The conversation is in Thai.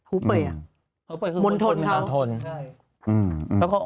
อู่ฮั่นมนทนเขา